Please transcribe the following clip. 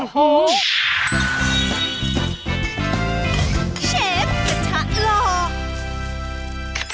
เชฟอาทารอ